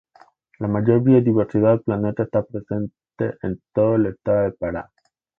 La mayor biodiversidad del planeta está presente en todo el Estado de Pará.